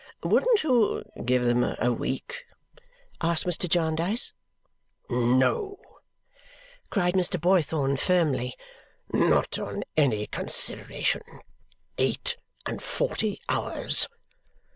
"Wouldn't you give them a week?" asked Mr. Jarndyce. "No!" cried Mr. Boythorn firmly. "Not on any consideration! Eight and forty hours!